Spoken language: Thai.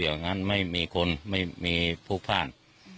อย่างนั้นไม่มีคนไม่มีผู้พ่าน